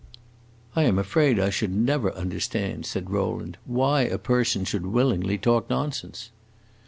"I am afraid I should never understand," said Rowland, "why a person should willingly talk nonsense."